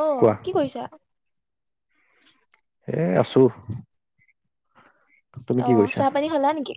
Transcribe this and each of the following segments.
আহ কোৱা কি কৰিছা। এ আছো। তুমি অ কি কৰিছা চাহ, পানী খালা নেকি?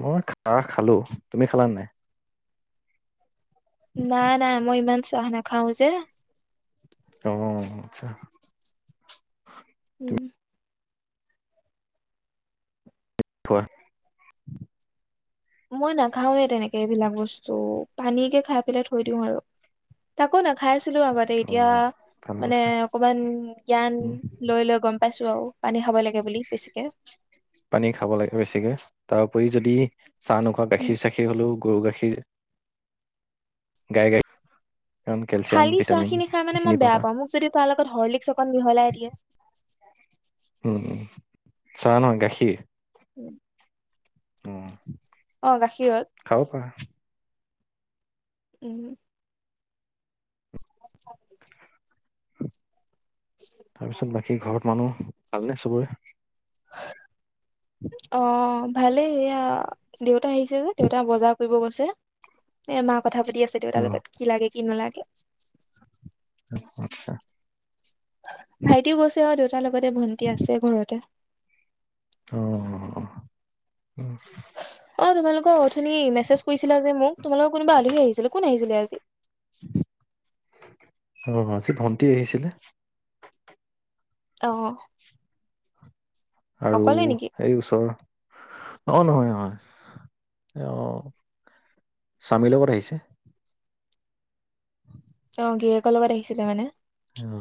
মই খাহ খালো তুমি খালা নাই নাই নাই মই ইমান চাহ নাখাওঁ যে অ আচ্ছা উম থোৱা মই নাখাওঁ এ তেনেকে সেইবিলাক বস্তু। পানীয়েকে খাই পেলাই থৈ দিও আৰু তাকো না খাইছিলো আগতে অ এতিয়া ভাল মানে কথা অকমান জ্ঞান উম লৈ লৈ গম পাইছো আৰু পানী খাব লাগে বুলি বেছিকে। পানী, খাব লাগে বেছিকে তাৰ উপৰি যদি চাহ ননেকুৱা উম গাখীৰ, চাখীৰ হলেও গৰু, গাখীৰ গাই, গখীৰ খালী চাহ খিনি খাই মানে মই বেয়া পাবা পাওঁ মোক যদি তাৰ লগত হৰ্লিকচ চকন মিহলাই দিয়ে। উম চাহ, নহয় গাখীৰ, উম উম অ গাখীৰত খাব পাৰা উম তাৰপিছত বাকী ঘৰত মানুহ আনে চবৰে অ ভালে এয়া দেউত আহিছে যে দেউতা বজাৰ কৰিব গৈছে এ মাক কথা পাতি আছে অ দেউতাৰ লগত কি লাগে কি নালাগে। [inaudible] আচ্ছা ভাইটিও গৈছে আৰু দেউতাৰ লগতে ভন্টি আছে ঘৰতে অ অ অ তোমালোকৰ অথনি মেছেজ কৰিছিলা যে মোক। তোমালোকৰ কোনোবা আলহী আহিছিলে, কোন আহিছিলে আজি অ আজি ভন্টি আহিছিলে। অহ আৰু এই ওচৰ, অ নহয় নহয়। অ স্বামীৰ লগত আহিছে। অ গিৰিকৰ লগত আহিছিলে মানে অ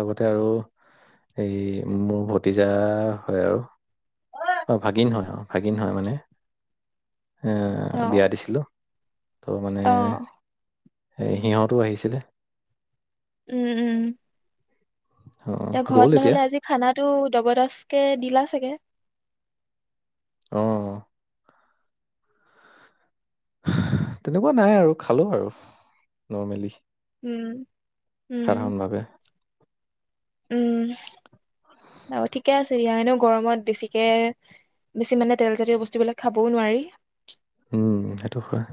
লগতে আৰু এই মোৰ ভতিজা হয় আৰু অ ভাগিন হয় অ ভাগিন হয় মানে। এ বিয়া অ দিছিলোঁ। ত' মানে অ স সিহঁতো আহিছিলে। উম উম অ' এতিয়া গ'ল ঘৰত নহলে আজি খানাটো জবৰদস্ত কে দিলা চাগে? অ তেনেকুৱা নাই আৰু খালো আৰু নৰ্মেলি। উম উম সাধাৰণভাৱে উম। অ ঠিকে আছে। তেতিয়া এনেও গৰমত বেছিকে বেছি মানে তেলজাতীয় বস্তু বিলাক খাবও নোৱাৰি। উম সেইটো হয়।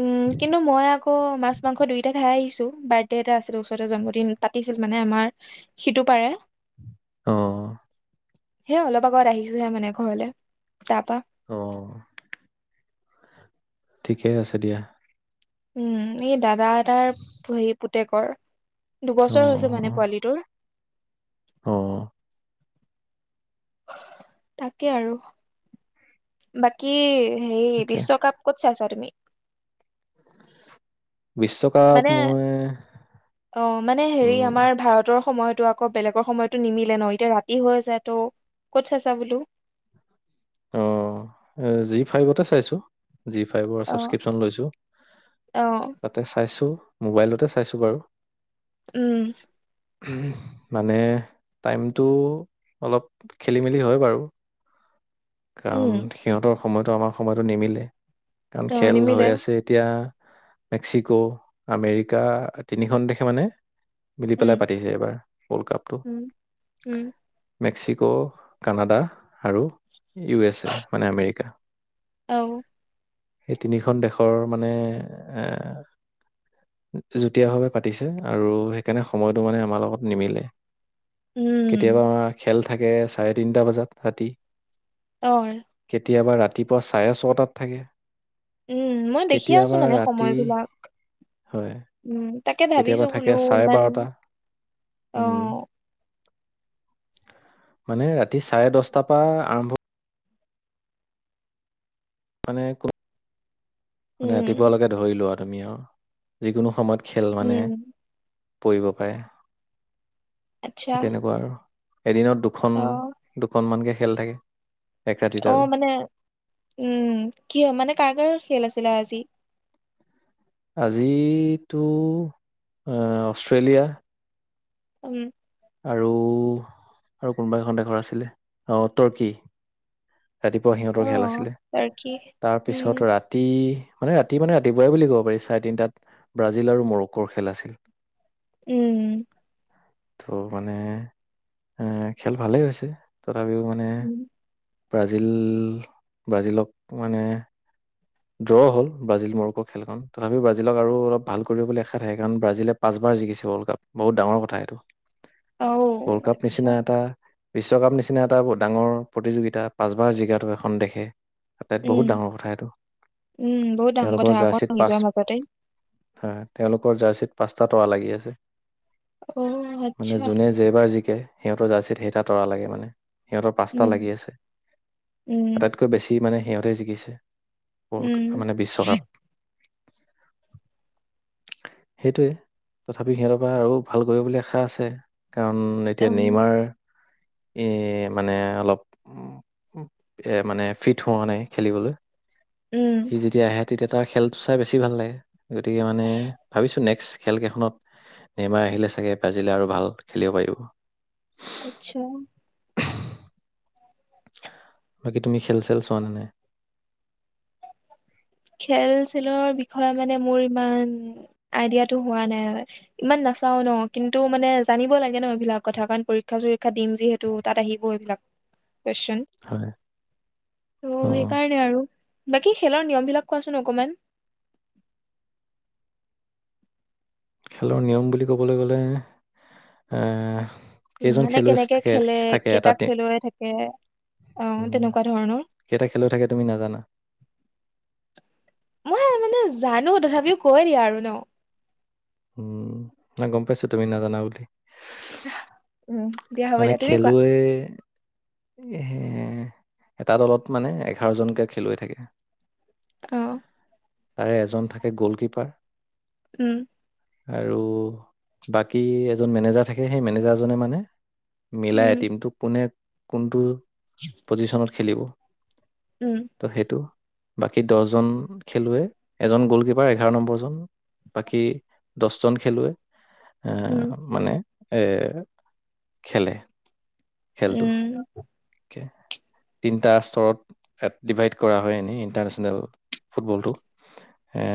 উম কিন্তু মই আকৌ মাছ মাংস দুইটা খাই আহিছো বাৰ্থডে এটা আছিল, ওচৰতে জন্মদিন, পাতিছিল মানে আমাৰ সিটো পাৰে। অ-অ সেয়া অলপ আগত আহিছোহে মানে ঘৰলে, তাৰপা অ- ঠিকেই আছে দিয়া। উম, এই দাদাৰ এটাৰ টেকৰ দুবছৰ অ' হৈছে মানে অ' পোৱালিটোৰ। অ তাকে আৰু, বাকী এইেই তাকে বিশ্বকাপ ক'ত চাইছে? তুমি উ [unintelligible] মানে অ মানে হেৰি উম, আমাৰ ভাৰতৰ সময়তটো আকৌ বেলেগৰ সময়তো নিমিলে ন এতিয়া ৰাতি হৈ আছে তো, ক'ত চাইছা বোলো? অ, এ জি ফাইভতে চাইছো। জি ফাইভৰ অ ছাবস্ক্ৰিপচন লৈছো, অ তাতে চাইছো মোবাইলতে চাইছো বাৰু। উম মানে টাইমটো অলপ খেলি মেলি হয় বাৰু কাৰণ উম সিহঁতৰ সময়টো আমাৰ সময়টো নিমিলে। কাৰণ অ খেল নিমিলে হৈ আছে এতিয়া মেক্সিকো আমেৰিকা তিনিখন দেশে মানে মিলি উম পেলাই পাতিছে এবাৰ, ৱৰ্ল্ড কাপটো উম উম মেক্সিকো কানাডা আৰু ইউ এছ এ, মানে আমেৰিকা। অ! সেই তিনিখন দেশৰ মানে এ যুটীয়াভাৱে পাতিছে আৰু সেইকাৰণে সময়টো মানে আমাৰ লগত নিমিলে। উম কেতিয়াবা আম খেল থাকে চাৰে তিনিটা বজাত ৰাতি অঁ! কেতিয়াবা ৰাতিপুৱা চাৰে ছটাত থাকে উম মই দেখি আছো কেতিয়াবা মানে সময় ৰাতি বিলাক হয়। তাকে কেতিয়াবা ভাবিছো থাকে বোলোও চাৰে ইমান, বাৰটা। উম, অঃ মানে ৰাতি চাৰে দহট পৰা আৰম্ভ। মানে কো। মানে উম ৰাতিপুৱালৈকে ধৰিলোৱা। য় যিকোনো সময়ত। খেল মানে। উম পৰিব পাৰে। আচ্ছা সেই তেনেকুৱা আৰু। এদিনত দুখন অ দুখন মানকে। খেল থাকে। এক ৰাতিত অ আৰু। মানে উম। কিয় মানে কাৰ কাৰ খেল আছিলে আজি। আজি টো অষ্ট্ৰেলিয়া। উম। আৰু আৰু কোনোবা এখন দেশৰ আছিলে আহ তৰ্কি ৰাতিপুৱা অ সিহঁতৰ খেল আছিলে টাৰ্কি উম তাৰপিছত ৰাতি মানে ৰাতি মানে ৰাতিপুৱাই বুলি ক'ব পাৰি চাৰে তিনিটাত ব্ৰাজিল আৰু মৰক্কোৰ খেল আছিল উম। ত' মানে এ খেল ভালেই হৈছে তথাপিও মানে উম ব্ৰাজিল-ব্ৰাজিলক মানে ড্ৰ' হ'ল, ব্ৰাজিল মোৰক খেলখন তথাপিও ব্ৰাজিলক আৰু অলপ ভাল কৰিব বুলি আশা থাকে, কাৰণ ব্ৰাজিলে পাঁচবাৰ জিকিছে ৱৰ্ল্ড কাপ, বহুত ডাঙৰ কথা সেইটো। অ ৱৰ্ল্ড কাপ আচ্ছা নিচিনা এটা বিশ্বকাপ নিচিনা এটা ডাঙৰ প্ৰতিযোগিতা পাঁচবাৰ জিকাটো এখন দেশে আটাইত উম বহুত ডাঙৰ কথা এইটো। উম, বহুত ডাঙৰ তেওঁলোকৰ কথা আকৌ জাৰ্চিত পাঁচ নিজৰ মাজতেই হয়, তেওঁলোকৰ জাৰ্চিত পাঁচটা তৰা লাগি আছে। অ মানে, আচ্ছা যোনে যেবাৰ জিকে জিকে, সিহঁতৰ ৰ্জাৰচিত সেইকেইটা তৰা লাগে মানে সিহঁতৰ পাঁচটা উম লাগি আছে, উম আটাইতকৈ বেছি মানে সিহঁতে জিকিছে। উম ৱৰ্লড মানে বিশ্বকাপ সেইটোৱে, তথাপি সিহঁতৰ পৰা আৰু ভাল কৰিব বুলি আশা আছে। কাৰণ, অ এতিয়া নেমাৰ এ, মানে অলপ উম, এ মানে ফিট হোৱা নাই খেলিবলৈ। উম সি যেতিয়া আহে তেতিয়া তাৰ খেলটো চাই বেছি ভাল লাগে, গতিকে, মানে ভাবিছোঁ নেক্সট খেলকেইখনত নেমাই আহিলে চাগে ব্ৰাজিলে আৰু ভাল খেলিব পাৰিব। আচ্ছা বাকী, তুমি খেল-চেল চোৱা নে? খেল-চেলৰ বিষয়ে মানে মোৰ ইমান আইডিয়াটো হোৱা নাই, ইমান নাচাও ন, কিন্তু মানে জানিব লাগে ন এইবিলাক কথা কাৰণ পৰীক্ষা-চৰিক্ষা দিম যিহেতু তাত আহিব এইবিলাক কোৱেছন, হয়, ত সেই অ' কাৰণে আৰু বাকী খেলৰ নিয়ম বিলাক কোৱাচোন অকমান? খেলৰ নিয়ম বুলি ক'বলৈ গ'লে উম, কেইজন মানে খেলুৱৈ কেনেকে থাকে খেলে? থাকে কেইটা এটা টিম খেলুৱৈ থাকে? অহ, তেনেকুৱা ধৰণৰ কেইটা খেলুৱৈ থাকে তুমি নাজানা মই মানে জানো, তথাপিও কৈ দিয়া আৰু ন। উম, নাই গম পাইছো তুমি নাজানা বুলি। উম দিয়া হ'ব মানে দিয়া তুমি কোৱা খেলুৱৈ এটা দলত মানে, এঘাৰ জনকে খেলুৱৈ থাকে। অ'হ তাৰে এজন থাকে গ'ল কীপাৰ উম আৰু বাকী এজন মেনেজাৰ থাকে, সেই মেনেজাৰজনে মানে মিলাই উম টিমটোক কোনে কোনটো পজিশনত খেলিব উম ত' সেইটো বাকী দহজন খেলুৱে এজন গলকিপাৰ এঘাৰ নম্বৰ জন বাকী দছজন উম খেলুৱৈ মানে এ খেলে খেলটো কে উম তিনিটা স্তৰত ডিভাইড কৰা হয় এনেই ইণ্টাৰনেচনেল ফুটবলটো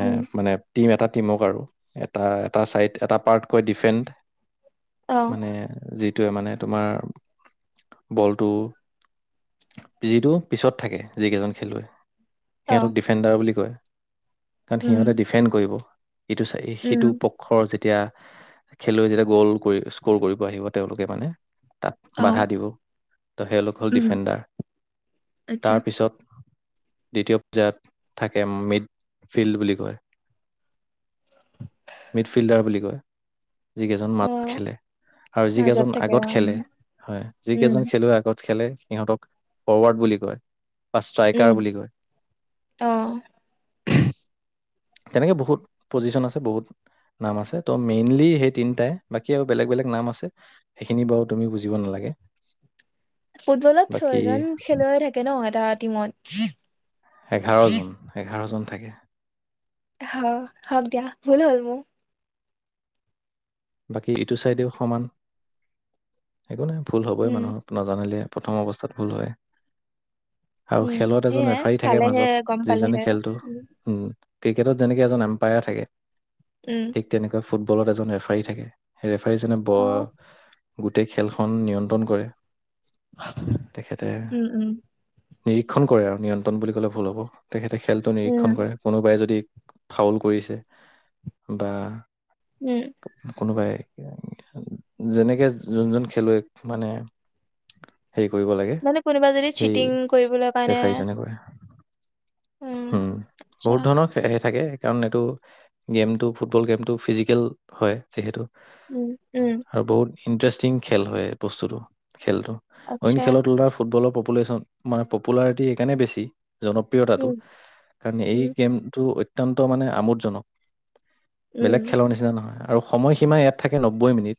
উম মানে টিম এটা টিমক আৰু এটা এটা চাইড এটা পাৰ্টকৈ ডিফেণ্ড অ মানে যি এইটোৱে মানে তোমাৰ বলটো যিটো পিছত থাকে যিকেইজন খেলুৱৈ অ সিহঁতক ডিফেণ্ডাৰ বুলি কয় কাৰণ উম সিহঁতে ডিফেণ্ড কৰিব এইটো চাই উম সেইটো পক্ষৰ যে তেতিয়া খেলুৱৈ যেতিয়া গ'ল কৰি স্ক'ৰ কৰিব আহিব তেওঁলোকে মানে অ বাধা দিব ত সেইলোক হ'ল উম ডিফেণ্ডাৰ আচ্ছা। তাৰপিছত দ্বিতীয় পৰ্যায়ত থাকে মিড ফিল্ড বুলি কয় মিডফিল্ডাৰ বুলি কয় যিকেইজন মাজত অ', খেলে আৰু মাজত যিকেইজন থাকে আগত উম, খেলে হয় উম, যিকেইজন খেলুৱৈ আগত খেলে সিহঁতক ফৰৱাৰ্ড বুলি কয় বা উম, ষ্ট্ৰাইকাৰ বুলি কয় অ', তেনেকে বহুত পজিশন আছে বহুত নাম আছে ত' মেইনলি সেই তিনিটাই বাকী আৰু বেলেগ বেলেগ নাম আছে সেইখিনি বাৰু তুমি বুজিব নালাগে ফুটবলত বাকী ছয়জন খেলুৱৈ থাকে ন তাত টীমত এঘাৰ জন এঘাৰ জন থাকে হ হক দিয়া ভুল হ'ল মোৰ বাকী ইটো চাইডেও সমান একো নাই ভুল হ'বই উম, মানুহ নাজানিলে প্ৰথম অৱস্থাত ভুল হয় আৰু উম, খেলত এজন সেয়াই ৰেফাৰী থাকে পালেহে মাজত গম যিজনে পালেহে খেলটো উম ক্ৰিকেটত যেনেকে এজন এম্পায়াৰ থাকে। উম, ঠিক তেনেকুৱা। ফুটবলত এজন এফ। পাৰি থাকে। ৰেফাৰী জনে ব। অ', গোটেই খেলখন। নিয়ন্ত্ৰণ কৰে তেখেতে। উম, উম, নিৰীক্ষণ কৰে আৰু নিয়ন্ত্ৰণ বুলি ক'লে ভুল হ'ব। তেখেতে খেলটো উম, নিৰীক্ষণ কৰে কোনোবাই যদি। ফাউল কৰিছে বা। উম কোনোবাই যেনেকে যোন যোন খেলুৱৈ মানে? হেৰি কৰিব লাগে মানে কোনোবা যদি সেই চিটিং কৰিবলৈ কাৰণে। ৰেফাৰীজনে কৰে উম আচ্ছা বহুত ধৰণৰ খেল থাকে। কাৰণ এইটো গেমটো ফুটবল গেমতটো ফিজিকেল। হয় যিহেতু। উম উম ইন্টাৰেষ্টিং খেল হয় বস্তুটো? খেলটো অঐন আচ্ছা খেলত তোলাৰ ফুটবলৰ। পপুলেশ্বন মানে পপুলাৰিটি সেইকাৰণে বেছি। জনপ্ৰিয়তাটো উম, কাৰণ এই উম, গেমটো অ। অত্য়ন্ত মানে আমোদজনক। উম, বেলেগ খেলৰ নিচিনা নহয়। আৰু সময়সীমা ইয়াত থাকে নব্বৈ মিনিট।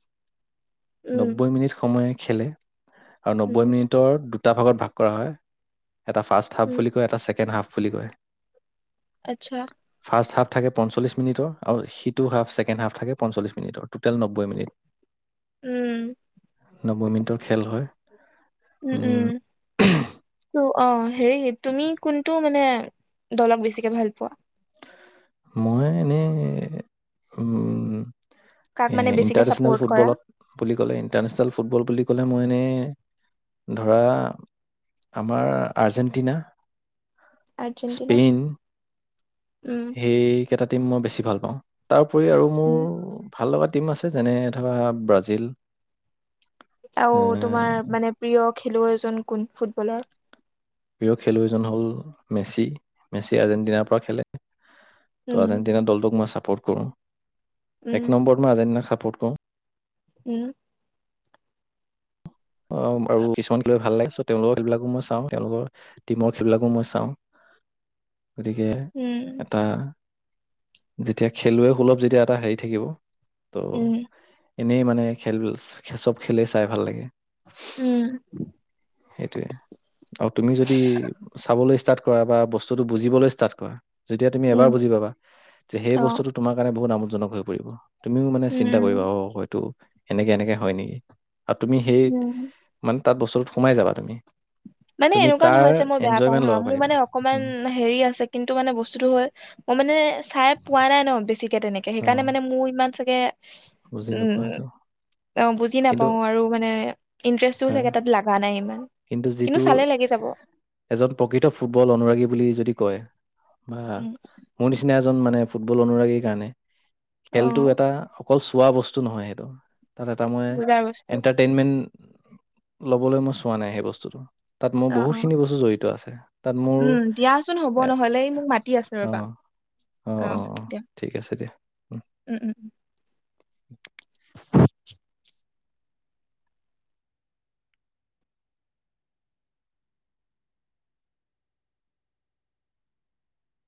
উম, নব্বৈ মিনিট সময়ে। খেলে। আৰু উম, নব্বৈ মিনিটৰ দু। দুটা ভাগত ভাগ কৰা হয়। এটা ফাৰ্ষ্ট হাফ উম, বুলি কয় এটা ছেকেণ্ড হাফ। বুলি কয়। আচ্ছা ফাৰ্ষ্ট হাফ থাকে পঞ্চ্লিছ মিনিৰ আৰু সিটো হাফ ছেকেণ্ড হাফ। থাকে পঞ্চল্লিছ মিনিটৰ টো'টেল নব্বৈ মিনিট। উম নব্বৈ মিনিটৰ খেল হয়। উম! উম! অ হেৰি, তুমি কোনটো মানে, দলক বেছিকে ভাল পোৱা? মই এনেই, উম কাক মানে বেছিকে ইণ্টাৰনেচনেল চাপৰ্ট কৰা? ফুটবলত বুলি ক'লে, ইণ্টাৰনেচনেল ফুটবল বুলি ক'লে! এটা মইনে ধৰা, আমাৰ আজেণ্টিনা আৰ্জেণ্টিনা? উম, সেই কেইটাত মই বেছি ভাল পাওঁ, তাৰ। আৰু, মোৰ উম, ভাল লগা টিম আছে, যেনে ধৰা ব্ৰাজিল। আৰু এ তোমাৰ মানে, প্ৰিয় খেলুৱৈ জন কোন? ফুটবলৰ? প্ৰিয় খেলুৱৈজন হ'ল, মেচি! মেচি আৰ্জেণ্টিনাৰ পৰা খেলে। তো, উম, আৰ্জেণ্টিনা দলটোক মই চাপৰ্ট পৰ্ট কৰোঁ। এক উম, নম্বৰ পৰা আৰ্জেণ্টিনা খাপ পৰ্ট কওঁ। উম। অ' আৰু কিছুমান খেলুৱৈ ভাল লাগে চ' তেওঁলোকৰ খেলবিলাকো মই চাওঁ। তেওঁলোকৰ টিমৰ খেলবিলাকো মই চাওঁ। গতিকে উম, এটা যেতিয়া খেলুৱৈ সুলভ যেতিয়া এটা হেৰি থাকিব ত' উম, এনেই মানে খেল, [unintelligible] চ'ব খেলেই চাই ভাল লাগে। উম, সেইটোৱে। আৰু তুমি যদি চাবলৈ ষ্টাৰ্ট কৰা বা বস্তুটো বুজিবলৈ ষ্টাৰ্ট কৰা যেতিয়া তুমি এবাৰ উম, বুজি পাবা সেই অ', বস্তুটো তোমাৰ কাৰণে বহুত আমোদজনক হৈ পৰিব। তুমিও মানে চিন্তা কৰিবা উম, অ হয়টো এনেকে, এনেকে হয় নেকি? আৰু তুমি সেই উম। মান তাত বস্তুটোত সোমাই যাবা তুমি। মানে তুমি এনেকুৱা তাৰ নহয় যে মই বেয়া পাওঁ এনজয়মেন্ট হা। ল'ব মোৰ পাৰিবা মানে অকমান উম, হেৰি আছে, কিন্তু মানে বস্তুটো হ'ল মই মানে চাই পোৱা নাই ন। [unintelligible] তেনেকে। অ সেইকাৰণে মানে মোৰ ইমান চাগে বুজি নোপোৱা উম, সেইটো অ বুজি কিন্তু নাপাও আৰু মানে ইন্টাৰেষ্টটো হয় চাগে তাত লাগা নাই ইমান। কিন্তু যিটো, চালে লাগি যাব এজন প্ৰকৃত ফুটবল অনুৰাগী বুলি যদি কয় বা, উম মোৰ নিচিনা এজ এজন মানে ফুটবল অনুৰাগীৰ কাৰণে অ খেলটো এটা অকল চোৱা বস্তু নহয় সেইটো। তাত এটা মই বুজাৰ বস্তু এণ্টাৰটেইনমেণ্ট ল'বলৈ মই হোৱা নাই সেই বস্তুটো। তাত মোৰ অ অ বহুতখিনি বস্তু জড়িত আছে। [inaudible] উম, দিয়াচোন হ'ব এ নহলে এই মোক মাতি আছে অ ৰবা। অ দিয়া, উম উম। [inaudible]